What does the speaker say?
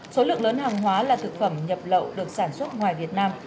số lượng lớn hàng hóa là thực phẩm nhập lậu được sản xuất ngoài việt nam